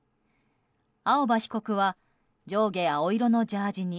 青葉被告は上下青色のジャージーに